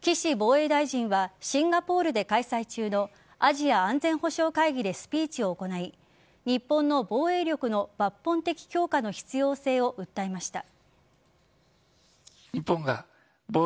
岸防衛大臣はシンガポールで開催中のアジア安全保障会議でスピーチを行い日本の防衛力の抜本的強化の必要性を訴えました。